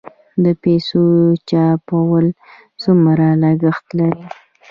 د پیسو چاپول څومره لګښت لري؟